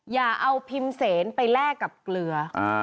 อย่าเอาพิมพ์เสนไปแลกกับเกลือ